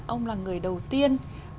ông là người đầu tiên